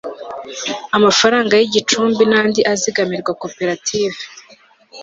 amafaranga y'igicumbi n'andi azigamirwa koperative